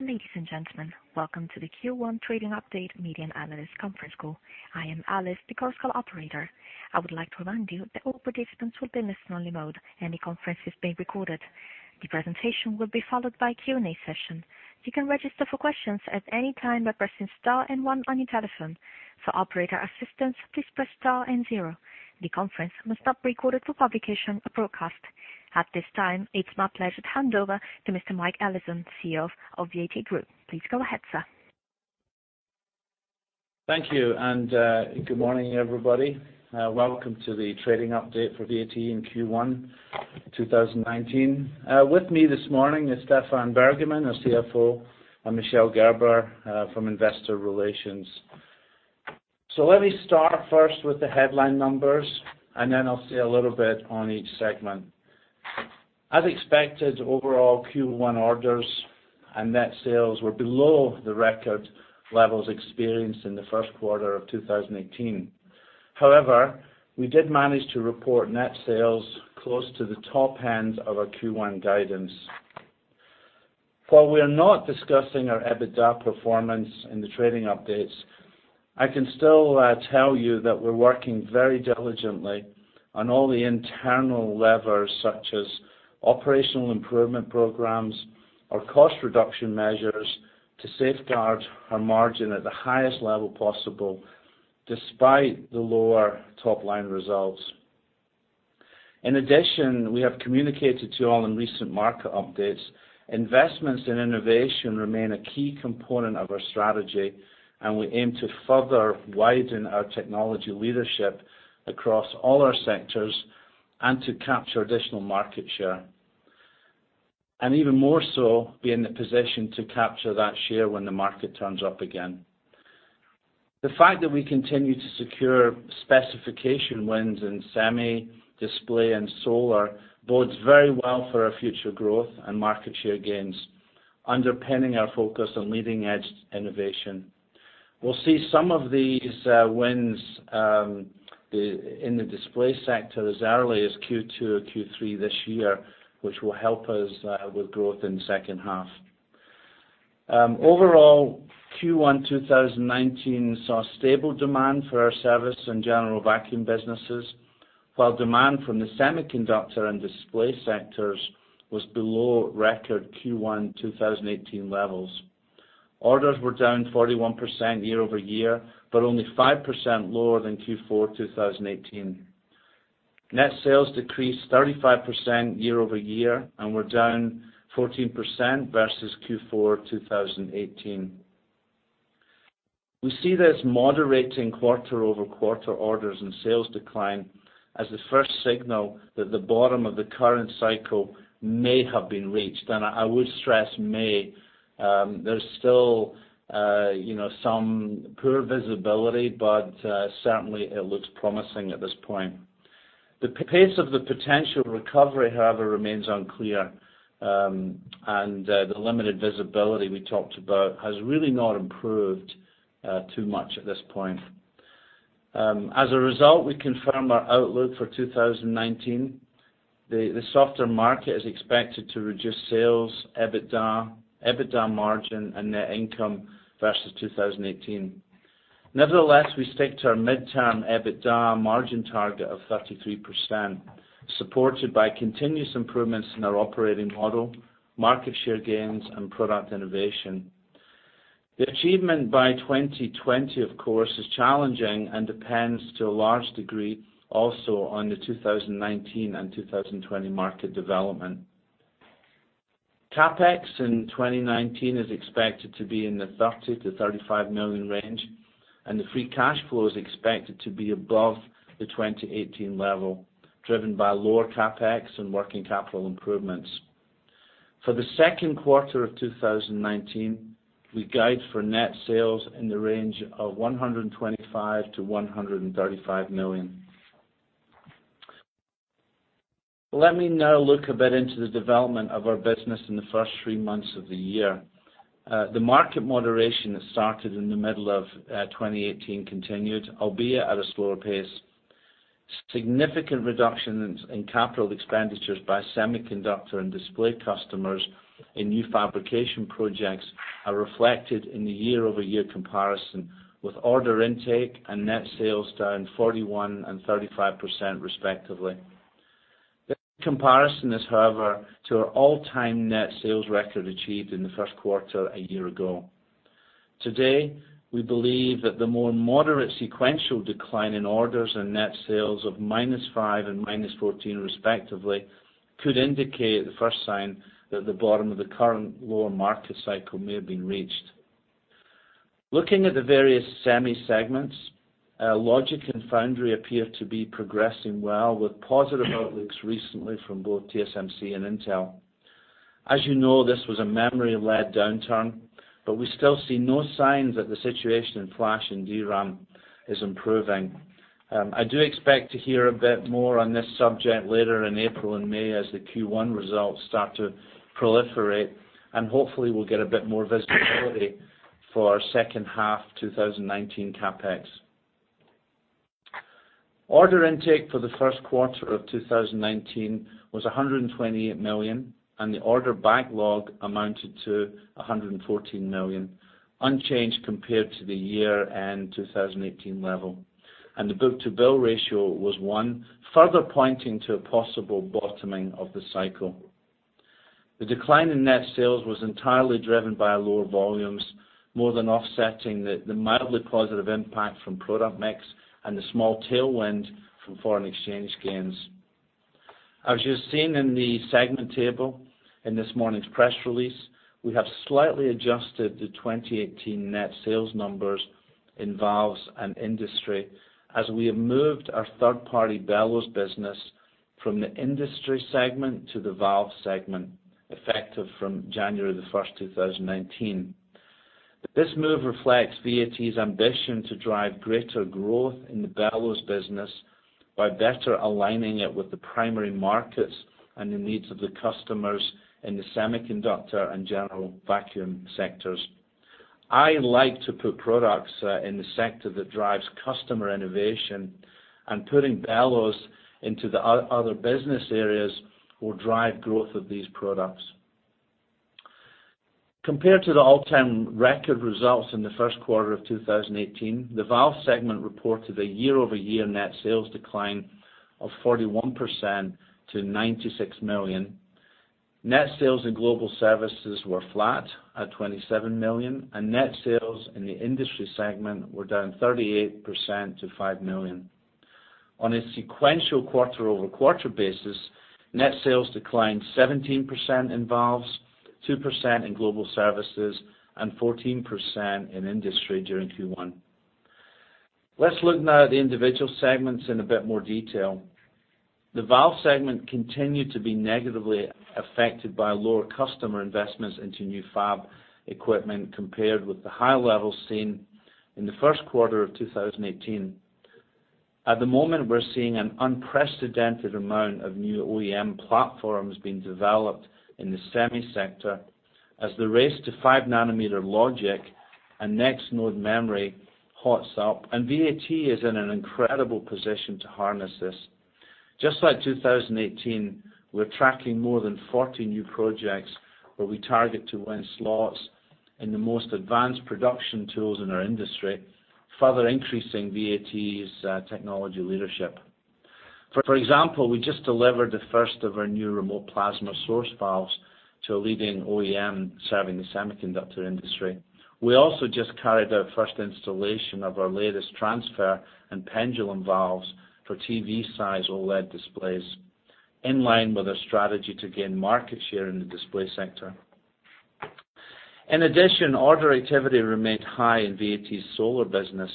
Ladies and gentlemen, welcome to the Q1 Trading Update Media and Analysts Conference Call. I am Alice, the Chorus Call operator. I would like to remind you that all participants will be in listen-only mode, and the conference is being recorded. The presentation will be followed by a Q&A session. You can register for questions at any time by pressing star one on your telephone. For operator assistance, please press star zero. The conference must not be recorded for publication or broadcast. At this time, it's my pleasure to hand over to Mr. Mike Allison, CEO of VAT Group. Please go ahead, sir. Thank you. Good morning, everybody. Welcome to the trading update for VAT in Q1 2019. With me this morning is Stephan Bergamin, our CFO, and Michel Gerber from Investor Relations. Let me start first with the headline numbers. Then I'll say a little bit on each segment. As expected, overall Q1 orders and net sales were below the record levels experienced in the first quarter of 2018. However, we did manage to report net sales close to the top end of our Q1 guidance. While we are not discussing our EBITDA performance in the trading updates, I can still tell you that we're working very diligently on all the internal levers such as operational improvement programs or cost reduction measures to safeguard our margin at the highest level possible, despite the lower top-line results. In addition, we have communicated to all in recent market updates, investments in innovation remain a key component of our strategy, and we aim to further widen our technology leadership across all our sectors and to capture additional market share. Even more so, be in the position to capture that share when the market turns up again. The fact that we continue to secure specification wins in semi, display, and solar bodes very well for our future growth and market share gains, underpinning our focus on leading-edge innovation. We'll see some of these wins in the display sector as early as Q2 or Q3 this year, which will help us with growth in the second half. Overall, Q1 2019 saw stable demand for our service and general vacuum businesses, while demand from the semiconductor and display sectors was below record Q1 2018 levels. Orders were down 41% year-over-year, only 5% lower than Q4 2018. Net sales decreased 35% year-over-year and were down 14% versus Q4 2018. We see this moderating quarter-over-quarter orders and sales decline as the first signal that the bottom of the current cycle may have been reached. I would stress may. There's still some poor visibility, but certainly, it looks promising at this point. The pace of the potential recovery, however, remains unclear. The limited visibility we talked about has really not improved too much at this point. As a result, we confirm our outlook for 2019. The softer market is expected to reduce sales, EBITDA margin, and net income versus 2018. Nevertheless, we stick to our midterm EBITDA margin target of 33%, supported by continuous improvements in our operating model, market share gains, and product innovation. The achievement by 2020, of course, is challenging and depends to a large degree also on the 2019 and 2020 market development. CapEx in 2019 is expected to be in the 30 million-35 million range, and the free cash flow is expected to be above the 2018 level, driven by lower CapEx and working capital improvements. For the second quarter of 2019, we guide for net sales in the range of 125 million-135 million. Let me now look a bit into the development of our business in the first three months of the year. The market moderation that started in the middle of 2018 continued, albeit at a slower pace. Significant reductions in capital expenditures by semiconductor and display customers in new fabrication projects are reflected in the year-over-year comparison, with order intake and net sales down 41% and 35%, respectively. The comparison is, however, to our all-time net sales record achieved in the first quarter a year ago. Today, we believe that the more moderate sequential decline in orders and net sales of -5% and -14% respectively, could indicate the first sign that the bottom of the current lower market cycle may have been reached. Looking at the various semi segments, logic and foundry appear to be progressing well, with positive outlooks recently from both TSMC and Intel. As you know, this was a memory-led downturn, but we still see no signs that the situation in flash and DRAM is improving. I do expect to hear a bit more on this subject later in April and May as the Q1 results start to proliferate, and hopefully we'll get a bit more visibility for our second half 2019 CapEx. Order intake for the first quarter of 2019 was 128 million, and the order backlog amounted to 114 million, unchanged compared to the year-end 2018 level. The book-to-bill ratio was one, further pointing to a possible bottoming of the cycle. The decline in net sales was entirely driven by lower volumes, more than offsetting the mildly positive impact from product mix and the small tailwind from foreign exchange gains. As you've seen in the segment table in this morning's press release, we have slightly adjusted the 2018 net sales numbers in valves and industry, as we have moved our third-party bellows business from the industry segment to the valve segment, effective from January 1st, 2019. This move reflects VAT's ambition to drive greater growth in the bellows business by better aligning it with the primary markets and the needs of the customers in the semiconductor and general vacuum sectors. I like to put products in the sector that drives customer innovation, and putting bellows into the other business areas will drive growth of these products. Compared to the all-time record results in the first quarter of 2018, the valve segment reported a year-over-year net sales decline of 41% to 96 million. Net sales in global services were flat at 27 million, net sales in the industry segment were down 38% to 5 million. On a sequential quarter-over-quarter basis, net sales declined 17% in valves, 2% in global services, and 14% in industry during Q1. Let's look now at the individual segments in a bit more detail. The valve segment continued to be negatively affected by lower customer investments into new fab equipment compared with the high levels seen in the first quarter of 2018. At the moment, we're seeing an unprecedented amount of new OEM platforms being developed in the semi sector as the race to five-nanometer logic and next-node memory hots up, VAT is in an incredible position to harness this. Just like 2018, we're tracking more than 40 new projects where we target to win slots in the most advanced production tools in our industry, further increasing VAT's technology leadership. For example, we just delivered the first of our new remote plasma source valves to a leading OEM serving the semiconductor industry. We also just carried out first installation of our latest transfer and pendulum valves for TV-size OLED displays, in line with our strategy to gain market share in the display sector. In addition, order activity remained high in VAT's solar business,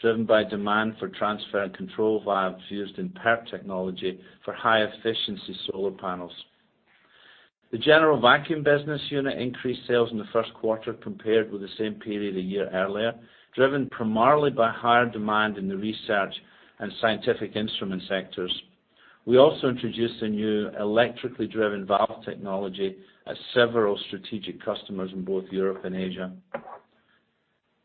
driven by demand for transfer and control valves used in PERC technology for high-efficiency solar panels. The General Vacuum Business Unit increased sales in the first quarter compared with the same period a year earlier, driven primarily by higher demand in the research and scientific instrument sectors. We also introduced a new electrically driven valve technology at several strategic customers in both Europe and Asia.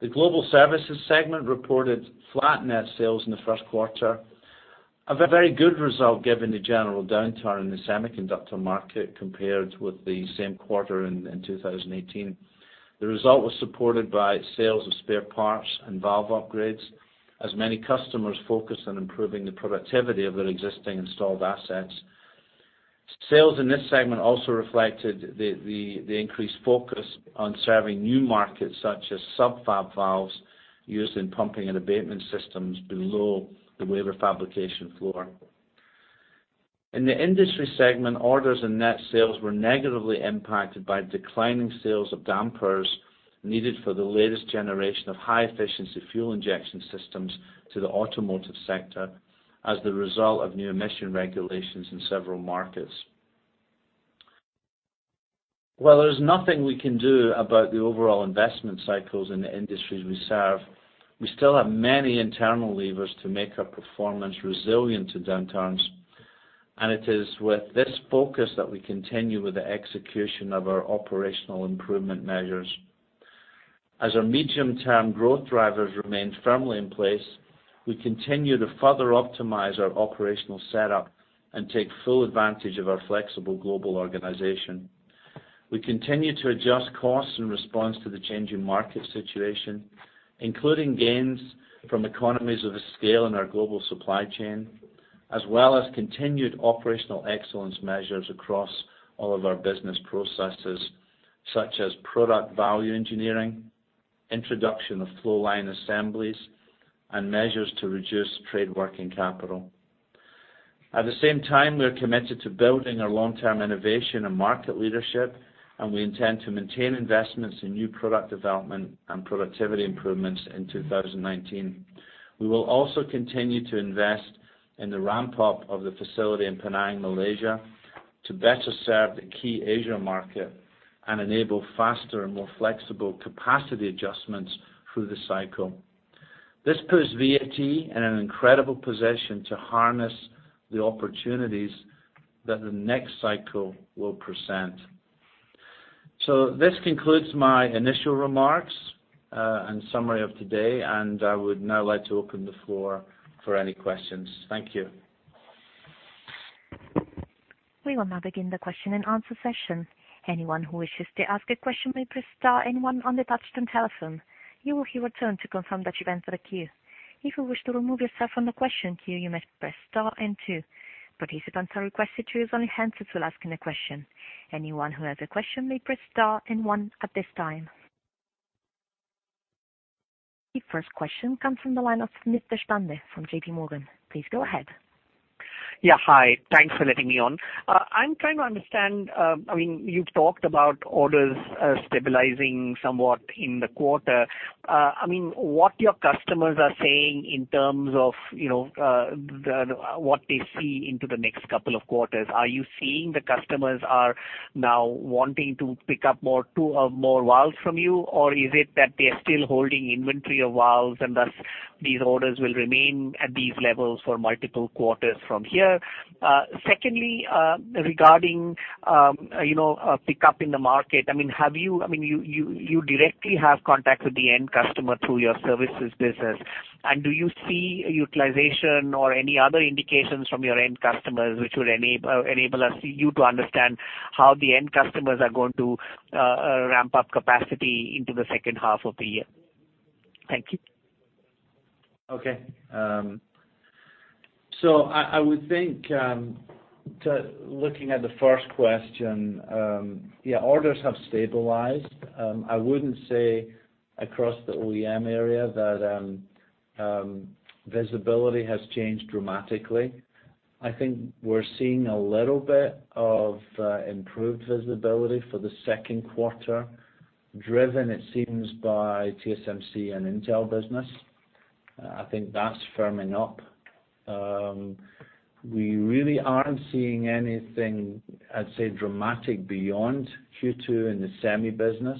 The global services segment reported flat net sales in the first quarter, a very good result given the general downturn in the semiconductor market compared with the same quarter in 2018. The result was supported by sales of spare parts and valve upgrades as many customers focus on improving the productivity of their existing installed assets. Sales in this segment also reflected the increased focus on serving new markets, such as sub-fab valves used in pumping and abatement systems below the wafer fabrication floor. In the industry segment, orders and net sales were negatively impacted by declining sales of dampers needed for the latest generation of high-efficiency fuel injection systems to the automotive sector as the result of new emission regulations in several markets. While there's nothing we can do about the overall investment cycles in the industries we serve, we still have many internal levers to make our performance resilient to downturns, it is with this focus that we continue with the execution of our operational improvement measures. As our medium-term growth drivers remain firmly in place, we continue to further optimize our operational setup and take full advantage of our flexible global organization. We continue to adjust costs in response to the changing market situation, including gains from economies of scale in our global supply chain, as well as continued operational excellence measures across all of our business processes, such as product value engineering, introduction of flow line assemblies, measures to reduce trade working capital. At the same time, we are committed to building our long-term innovation and market leadership. We intend to maintain investments in new product development and productivity improvements in 2019. We will also continue to invest in the ramp-up of the facility in Penang, Malaysia, to better serve the key Asia market and enable faster and more flexible capacity adjustments through the cycle. This puts VAT in an incredible position to harness the opportunities that the next cycle will present. This concludes my initial remarks and summary of today. I would now like to open the floor for any questions. Thank you. We will now begin the question and answer session. Anyone who wishes to ask a question may press star 1 on the touchtone telephone. You will hear a tone to confirm that you've entered the queue. If you wish to remove yourself from the question queue, you may press star 2. Participants are requested to use only handsets while asking a question. Anyone who has a question may press star one at this time. The first question comes from the line of Sandeep Deshpande from JPMorgan. Please go ahead. Yeah. Hi. Thanks for letting me on. I'm trying to understand, you've talked about orders stabilizing somewhat in the quarter. What your customers are saying in terms of what they see into the next couple of quarters. Are you seeing the customers are now wanting to pick up more two or more valves from you? Or is it that they are still holding inventory of valves, and thus these orders will remain at these levels for multiple quarters from here? Secondly, regarding a pickup in the market. You directly have contact with the end customer through your services business. Do you see utilization or any other indications from your end customers which would enable you to understand how the end customers are going to ramp up capacity into the second half of the year? Thank you. Okay. I would think, looking at the first question, yeah, orders have stabilized. I wouldn't say across the OEM area that visibility has changed dramatically. I think we're seeing a little bit of improved visibility for the second quarter, driven, it seems, by TSMC and Intel business. I think that's firming up. We really aren't seeing anything, I'd say, dramatic beyond Q2 in the semi business.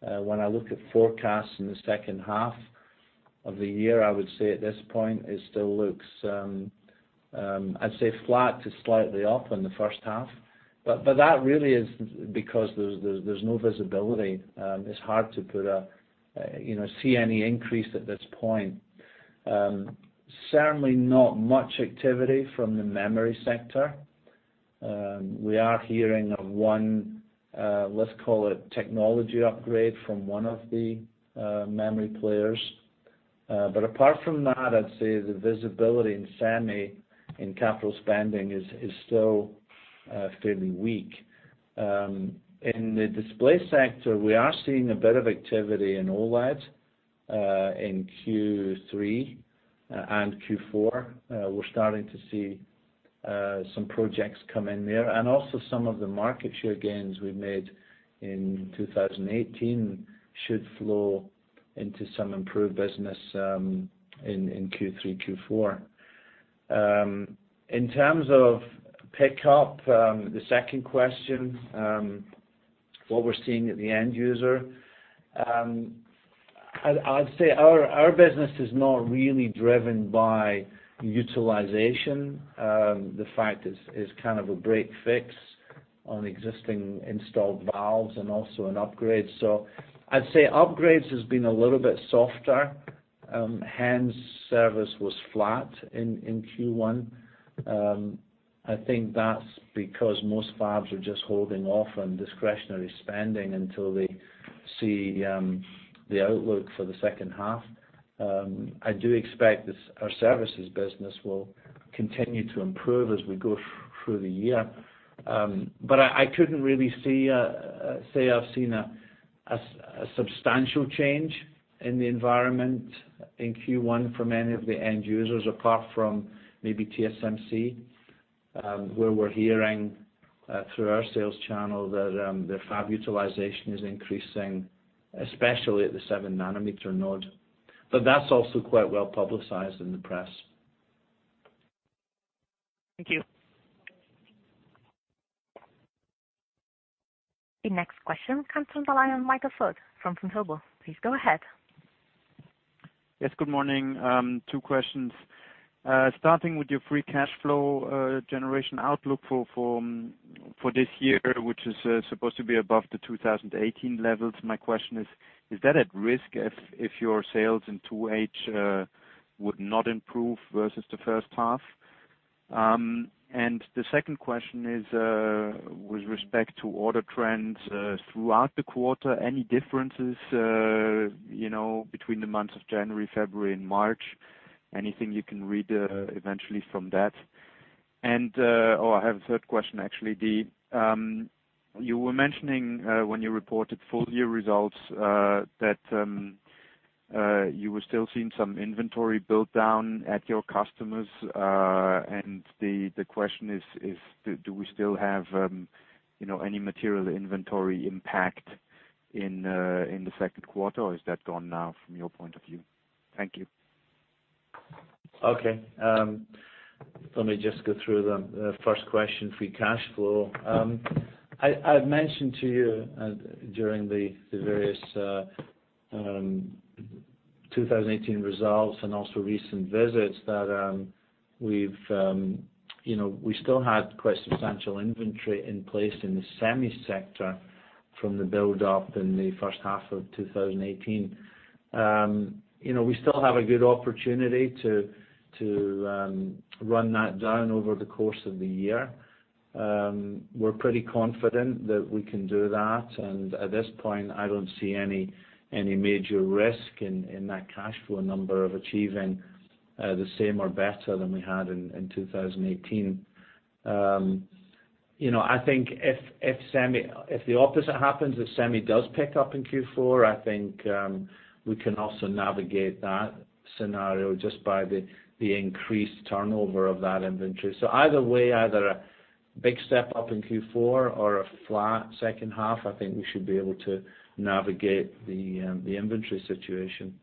When I look at forecasts in the second half of the year, I would say at this point it still looks, I'd say flat to slightly up in the first half. That really is because there's no visibility. It's hard to see any increase at this point. Certainly not much activity from the memory sector. We are hearing of one, let's call it technology upgrade from one of the memory players. Apart from that, I'd say the visibility in semi and capital spending is still fairly weak. In the display sector, we are seeing a bit of activity in OLED in Q3 and Q4. We're starting to see some projects come in there. Also some of the market share gains we made in 2018 should flow into some improved business in Q3, Q4. In terms of pickup, the second question, what we're seeing at the end user. I'd say our business is not really driven by utilization. The fact is kind of a break-fix on existing installed valves and also in upgrades. I'd say upgrades has been a little bit softer. Hence service was flat in Q1. I think that's because most fabs are just holding off on discretionary spending until they see the outlook for the second half. I do expect our services business will continue to improve as we go through the year. I couldn't really say I've seen a substantial change in the environment in Q1 from any of the end users, apart from maybe TSMC, where we're hearing through our sales channel that their fab utilization is increasing, especially at the seven nanometer node. That's also quite well publicized in the press. Thank you. The next question comes from the line of Michael Foeth from Vontobel. Please go ahead. Yes, good morning. Two questions. Starting with your free cash flow generation outlook for this year, which is supposed to be above the 2018 levels. My question is that at risk if your sales in 2H would not improve versus the first half? The second question is with respect to order trends throughout the quarter, any differences between the months of January, February, and March? Anything you can read eventually from that? I have a third question, actually. You were mentioning when you reported full year results, that you were still seeing some inventory built down at your customers. The question is, do we still have any material inventory impact in the second quarter, or is that gone now from your point of view? Thank you. Okay. Let me just go through them. The first question, free cash flow. I mentioned to you during the various 2018 results and also recent visits that we still had quite substantial inventory in place in the semi sector from the build up in the first half of 2018. We still have a good opportunity to run that down over the course of the year. We're pretty confident that we can do that. At this point, I don't see any major risk in that cash flow number of achieving the same or better than we had in 2018. I think if the opposite happens, if semi does pick up in Q4, I think we can also navigate that scenario just by the increased turnover of that inventory. Either way, either a big step up in Q4 or a flat second half, I think we should be able to navigate the inventory situation.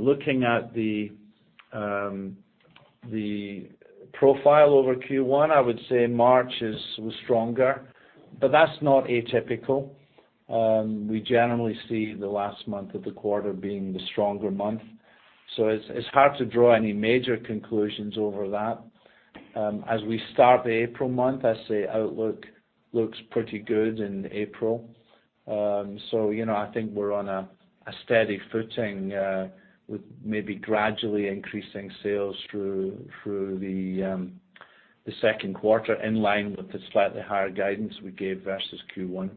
Looking at the profile over Q1, I would say March was stronger, but that's not atypical. We generally see the last month of the quarter being the stronger month. It's hard to draw any major conclusions over that. As we start the April month, I say outlook looks pretty good in April. I think we're on a steady footing with maybe gradually increasing sales through the second quarter in line with the slightly higher guidance we gave versus Q1.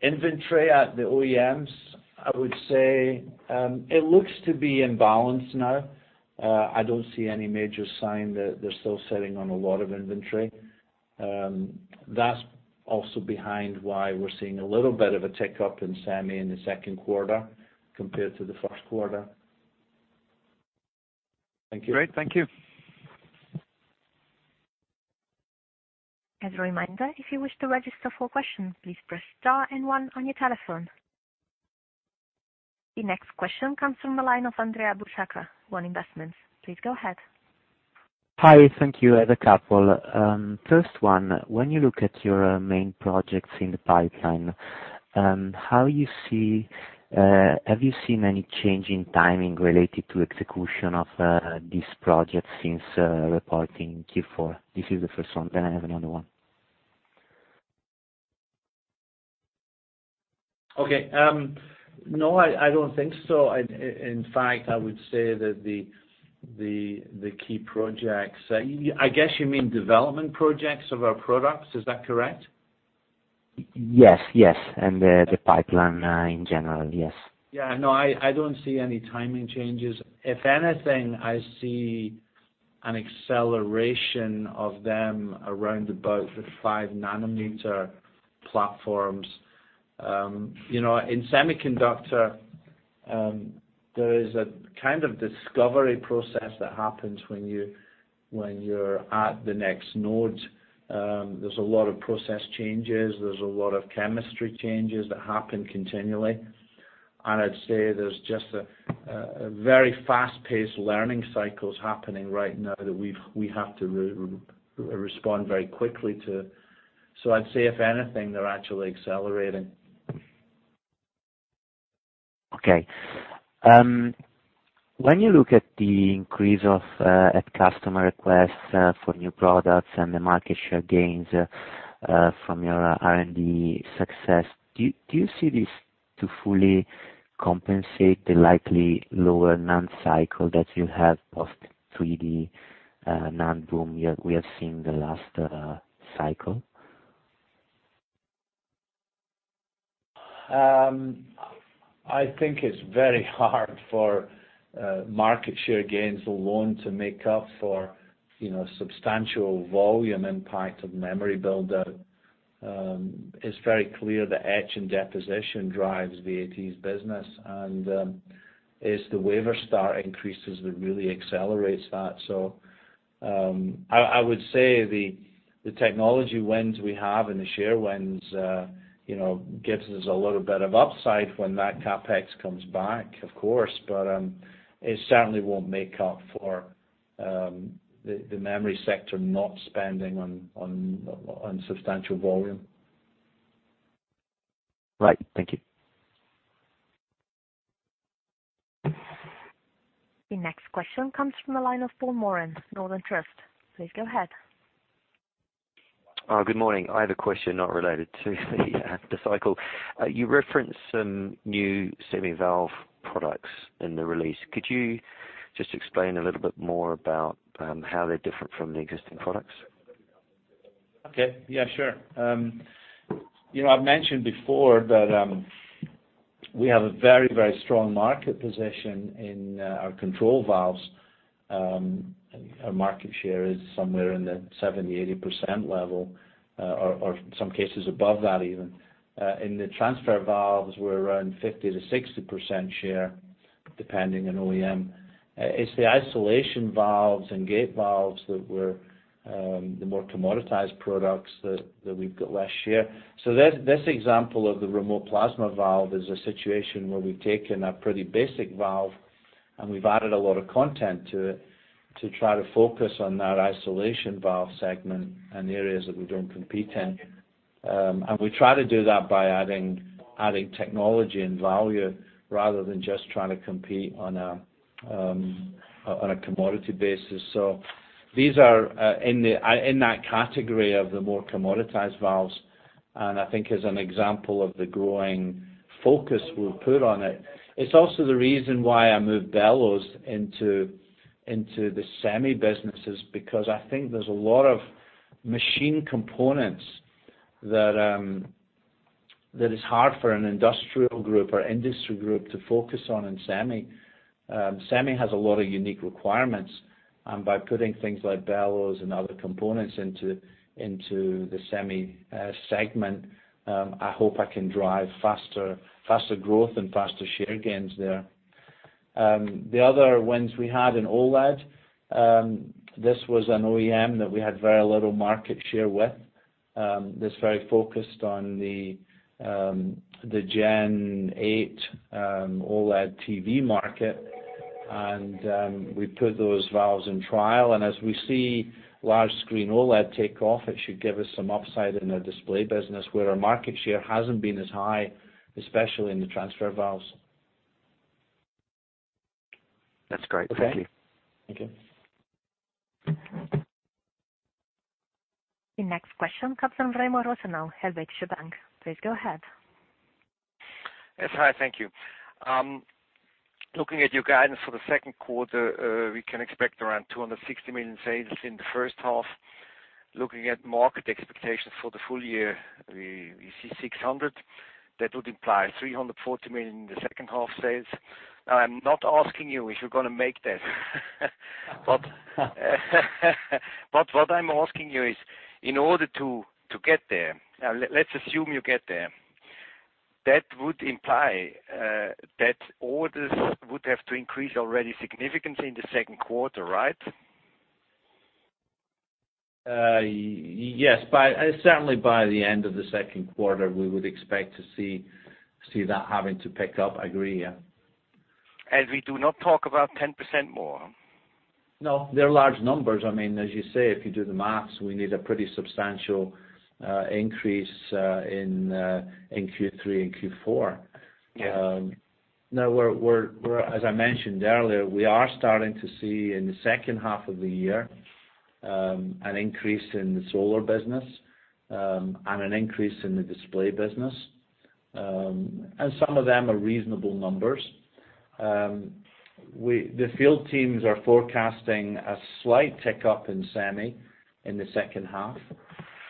Inventory at the OEMs, I would say it looks to be in balance now. I don't see any major sign that they're still sitting on a lot of inventory. That's also behind why we're seeing a little bit of a tick up in semi in the second quarter compared to the first quarter. Thank you. Great. Thank you. As a reminder, if you wish to register for questions, please press star and one on your telephone. The next question comes from the line of Andrea Buschra, One Investments. Please go ahead. Hi. Thank you. I have a couple. First one, when you look at your main projects in the pipeline, have you seen any change in timing related to execution of these projects since reporting Q4? This is the first one, then I have another one. Okay. No, I don't think so. In fact, I would say that the key projects. I guess you mean development projects of our products. Is that correct? Yes. The pipeline in general, yes. Yeah. No, I don't see any timing changes. If anything, I see an acceleration of them around about the five-nanometer platforms. In semiconductor, there is a kind of discovery process that happens when you're at the next node. There's a lot of process changes. There's a lot of chemistry changes that happen continually. I'd say there's just a very fast-paced learning cycles happening right now that we have to respond very quickly to. I'd say if anything, they're actually accelerating. Okay. When you look at the increase of customer requests for new products and the market share gains from your R&D success, do you see this to fully compensate the likely lower NAND cycle that you have post 3D NAND boom we have seen the last cycle? I think it's very hard for market share gains alone to make up for substantial volume impact of memory build out. It's very clear the etch and deposition drives VAT's business and as the wafer start increases, it really accelerates that. I would say the technology wins we have and the share wins gives us a little bit of upside when that CapEx comes back, of course. It certainly won't make up for the memory sector not spending on substantial volume. Right. Thank you. The next question comes from the line of Paul Moran, Northern Trust. Please go ahead. Good morning. I have a question not related to the cycle. You referenced some new semi valve products in the release. Could you just explain a little bit more about how they're different from the existing products? Okay. Yeah, sure. I've mentioned before that we have a very strong market position in our control valves. Our market share is somewhere in the 70%-80% level or in some cases above that even. In the transfer valves, we're around 50%-60% share, depending on OEM. It's the isolation valves and gate valves that were the more commoditized products that we've got last year. This example of the remote plasma valve is a situation where we've taken a pretty basic valve, and we've added a lot of content to it to try to focus on that isolation valve segment and areas that we don't compete in. We try to do that by adding technology and value rather than just trying to compete on a commodity basis. These are in that category of the more commoditized valves. I think as an example of the growing focus we'll put on it. It's also the reason why I moved bellows into the semi businesses. I think there's a lot of machine components that is hard for an industrial group or industry group to focus on in semi. Semi has a lot of unique requirements. By putting things like bellows and other components into the semi segment, I hope I can drive faster growth and faster share gains there. The other wins we had in OLED, this was an OEM that we had very little market share with. That's very focused on the Gen 8 OLED TV market. We put those valves in trial. As we see large screen OLED take off, it should give us some upside in the display business where our market share hasn't been as high, especially in the transfer valves. That's great. Thank you. Okay. Thank you. The next question comes from Raimund Rosenau, Helvetische Bank. Please go ahead. Yes. Hi, thank you. Looking at your guidance for the second quarter, we can expect around 260 million sales in the first half. Looking at market expectations for the full year, we see 600 million. That would imply 340 million in the second half sales. I am not asking you if you are going to make that. What I am asking you is, in order to get there, now let us assume you get there. That would imply that orders would have to increase already significantly in the second quarter, right? Yes. Certainly by the end of the second quarter, we would expect to see that having to pick up. I agree, yeah. We do not talk about 10% more. No. They're large numbers. As you say, if you do the math, we need a pretty substantial increase in Q3 and Q4. Yeah. As I mentioned earlier, we are starting to see, in the second half of the year, an increase in the solar business, and an increase in the display business. Some of them are reasonable numbers. The field teams are forecasting a slight tick up in semi in the second half.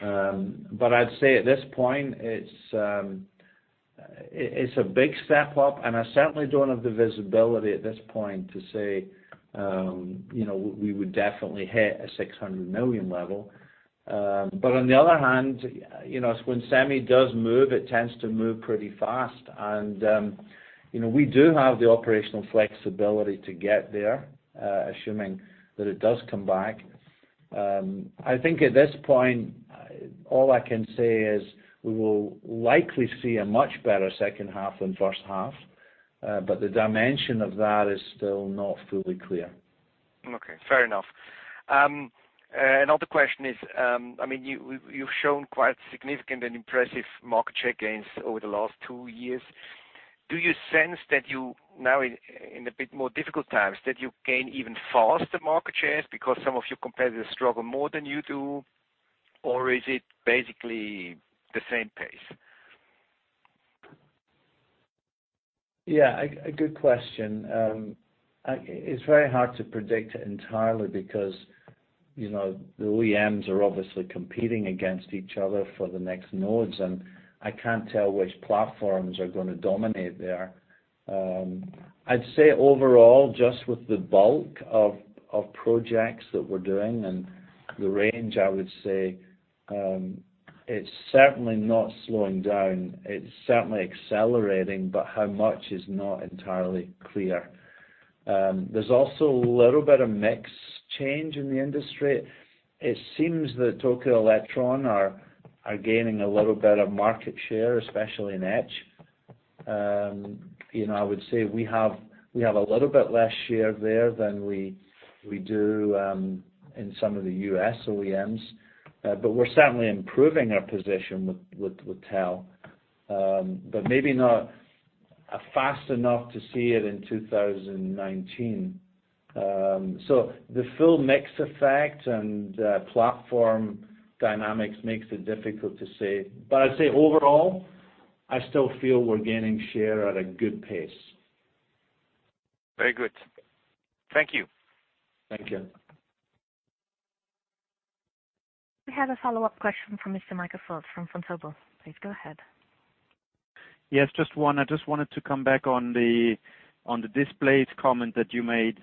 I'd say at this point, it's a big step up, and I certainly don't have the visibility at this point to say we would definitely hit a 600 million level. On the other hand, when semi does move, it tends to move pretty fast. We do have the operational flexibility to get there, assuming that it does come back. I think at this point, all I can say is we will likely see a much better second half than first half. The dimension of that is still not fully clear. Okay. Fair enough. Another question is, you've shown quite significant and impressive market share gains over the last two years. Do you sense that you now in a bit more difficult times, that you gain even faster market shares because some of your competitors struggle more than you do? Or is it basically the same pace? Yeah. A good question. It's very hard to predict it entirely because the OEMs are obviously competing against each other for the next nodes, and I can't tell which platforms are going to dominate there. I'd say overall, just with the bulk of projects that we're doing and the range, I would say, it's certainly not slowing down. It's certainly accelerating, but how much is not entirely clear. There's also a little bit of mix change in the industry. It seems that Tokyo Electron are gaining a little bit of market share, especially in etch. I would say we have a little bit less share there than we do in some of the U.S. OEMs. We're certainly improving our position with TEL. Maybe not fast enough to see it in 2019. The full mix effect and platform dynamics makes it difficult to say. I'd say overall, I still feel we're gaining share at a good pace. Very good. Thank you. Thank you. We have a follow-up question from Mr. Michael Foeth from FrontRow. Please go ahead. Yes, just one. I just wanted to come back on the displays comment that you made.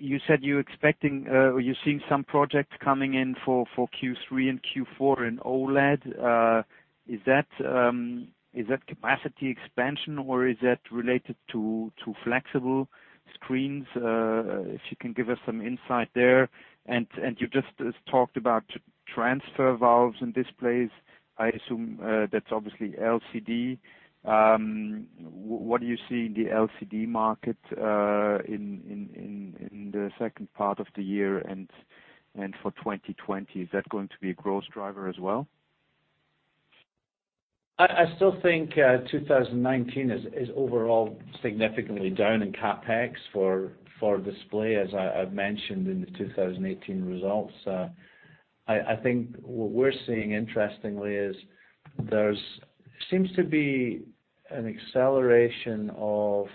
You said you're expecting, or you're seeing some projects coming in for Q3 and Q4 in OLED. Is that capacity expansion, or is that related to flexible? Screens, if you can give us some insight there. You just talked about transfer valves and displays, I assume that's obviously LCD. What do you see in the LCD market in the second part of the year and for 2020? Is that going to be a growth driver as well? I still think 2019 is overall significantly down in CapEx for display, as I've mentioned in the 2018 results. I think what we're seeing, interestingly, is there seems to be an acceleration of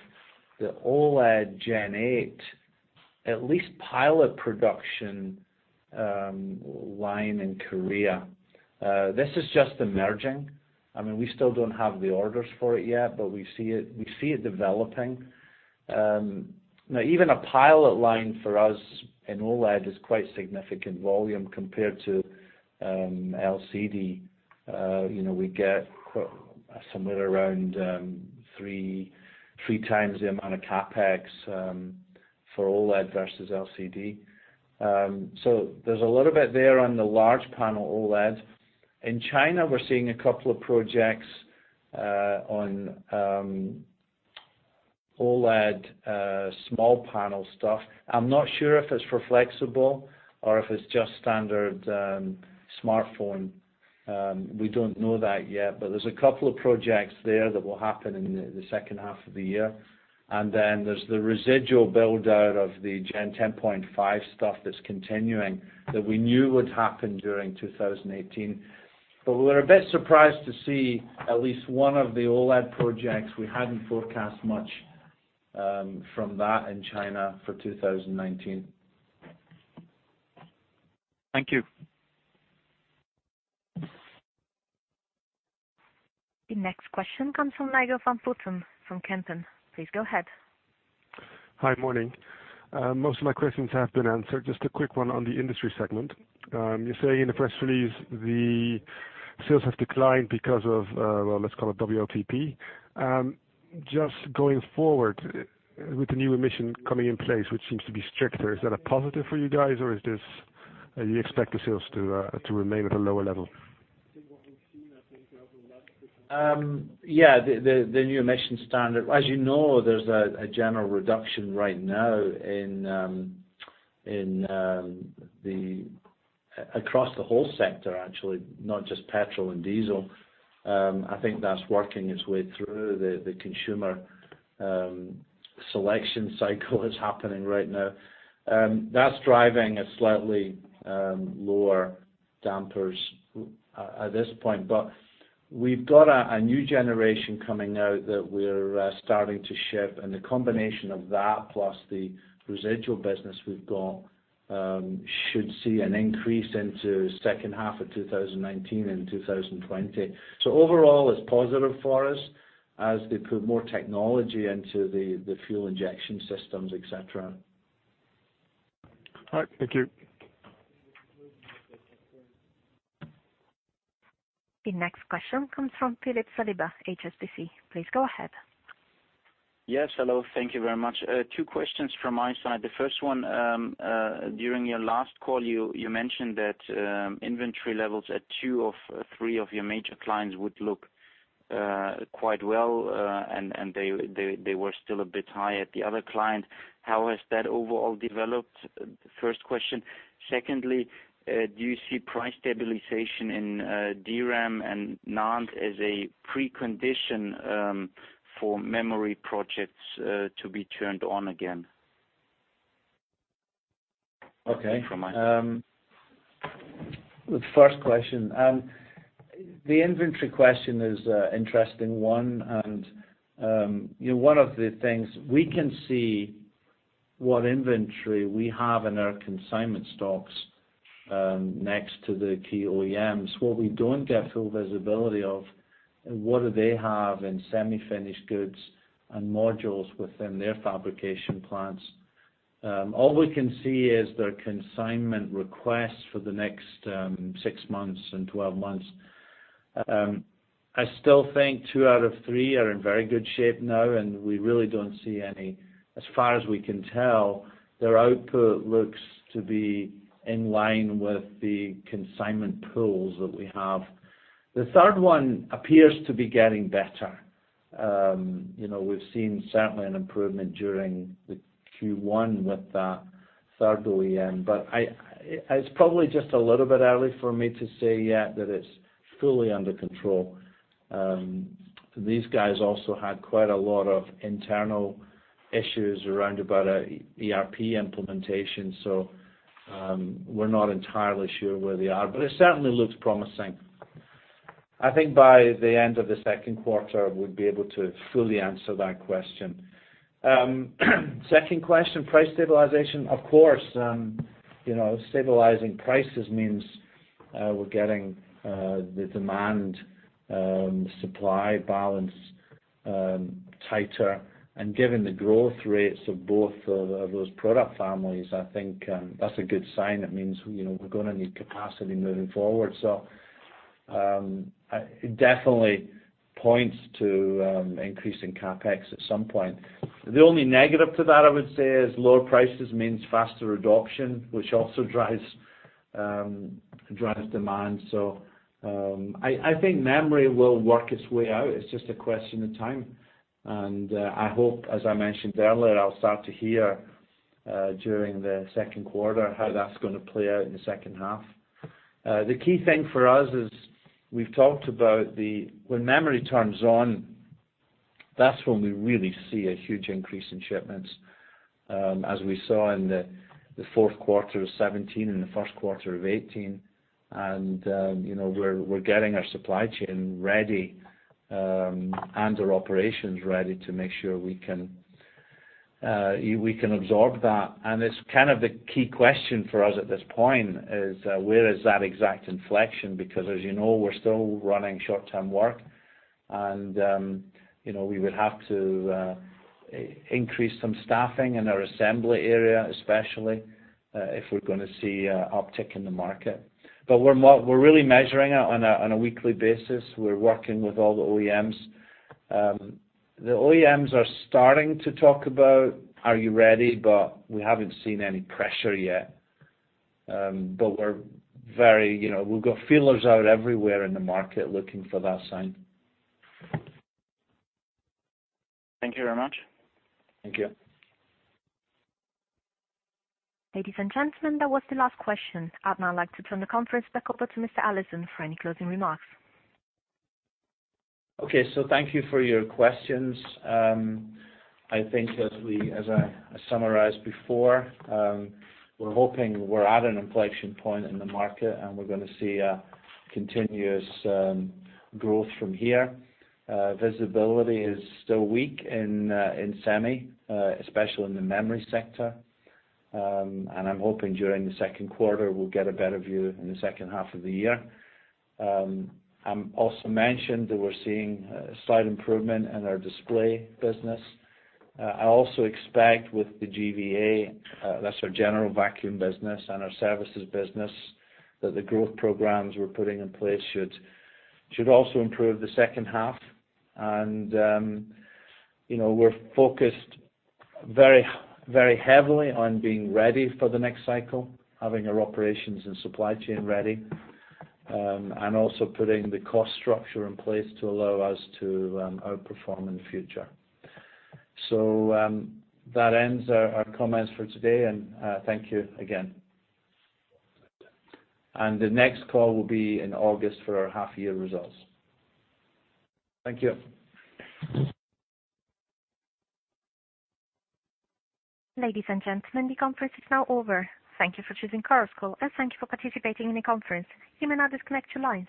the OLED Gen 8.6, at least pilot production line in Korea. This is just emerging. We still don't have the orders for it yet, but we see it developing. Even a pilot line for us in OLED is quite significant volume compared to LCD. We get somewhere around three times the amount of CapEx for OLED versus LCD. There's a little bit there on the large panel OLED. In China, we're seeing a couple of projects on OLED small panel stuff. I'm not sure if it's for flexible or if it's just standard smartphone. We don't know that yet, but there's a couple of projects there that will happen in the second half of the year. Then there's the residual build-out of the Gen 10.5 stuff that's continuing, that we knew would happen during 2018. We're a bit surprised to see at least one of the OLED projects. We hadn't forecast much from that in China for 2019. Thank you. The next question comes from Nigel van Putten from Kempen. Please go ahead. Hi, morning. Most of my questions have been answered. Just a quick one on the industry segment. You say in the press release the sales have declined because of, well, let's call it WLTP. Just going forward, with the new emission coming in place, which seems to be stricter, is that a positive for you guys, or do you expect the sales to remain at a lower level? Yeah, the new emission standard. As you know, there's a general reduction right now across the whole sector, actually, not just petrol and diesel. I think that's working its way through. The consumer selection cycle is happening right now. That's driving slightly lower dampers at this point. We've got a new generation coming out that we're starting to ship, and the combination of that plus the residual business we've got should see an increase into second half of 2019 and 2020. Overall, it's positive for us as they put more technology into the fuel injection systems, et cetera. All right. Thank you. The next question comes from Philip Saliba, HSBC. Please go ahead. Yes, hello. Thank you very much. Two questions from my side. The first one, during your last call, you mentioned that inventory levels at two of three of your major clients would look quite well, and they were still a bit high at the other client. How has that overall developed? First question. Secondly, do you see price stabilization in DRAM and NAND as a precondition for memory projects to be turned on again? Okay. That's from my side. The first question, the inventory question is an interesting one, and one of the things we can see what inventory we have in our consignment stocks next to the key OEMs. What we don't get full visibility of, what do they have in semi-finished goods and modules within their fabrication plants. All we can see is their consignment requests for the next six months and 12 months. I still think two out of three are in very good shape now, and we really don't see any. As far as we can tell, their output looks to be in line with the consignment pools that we have. The third one appears to be getting better. We've seen certainly an improvement during the Q1 with that third OEM. It's probably just a little bit early for me to say yet that it's fully under control. These guys also had quite a lot of internal issues around about ERP implementation, we're not entirely sure where they are, but it certainly looks promising. I think by the end of the second quarter, we'd be able to fully answer that question. Second question, price stabilization. Of course, stabilizing prices means we're getting the demand/supply balance tighter. Given the growth rates of both of those product families, I think that's a good sign. That means we're going to need capacity moving forward. It definitely points to increasing CapEx at some point. The only negative to that, I would say, is lower prices means faster adoption, which also drives demand. I think memory will work its way out. It's just a question of time, and I hope, as I mentioned earlier, I'll start to hear during the second quarter how that's going to play out in the second half. The key thing for us is we've talked about when memory turns on, that's when we really see a huge increase in shipments, as we saw in the fourth quarter of 2017 and the first quarter of 2018. We're getting our supply chain ready and our operations ready to make sure we can absorb that. It's kind of the key question for us at this point is where is that exact inflection? As you know, we're still running short-term work and we would have to increase some staffing in our assembly area, especially, if we're going to see an uptick in the market. We're really measuring it on a weekly basis. We're working with all the OEMs. The OEMs are starting to talk about are you ready, we haven't seen any pressure yet. We've got feelers out everywhere in the market looking for that sign. Thank you very much. Thank you. Ladies and gentlemen, that was the last question. I'd now like to turn the conference back over to Mr. Allison for any closing remarks. Thank you for your questions. I think as I summarized before, we're hoping we're at an inflection point in the market and we're going to see a continuous growth from here. Visibility is still weak in semi, especially in the memory sector. I'm hoping during the second quarter, we'll get a better view in the second half of the year. I also mentioned that we're seeing a slight improvement in our display business. I also expect with the GVA, that's our general vacuum business and our services business, that the growth programs we're putting in place should also improve the second half. We're focused very heavily on being ready for the next cycle, having our operations and supply chain ready, and also putting the cost structure in place to allow us to outperform in the future. That ends our comments for today, and thank you again. The next call will be in August for our half-year results. Thank you. Ladies and gentlemen, the conference is now over. Thank you for choosing Chorus Call, and thank you for participating in the conference. You may now disconnect your lines.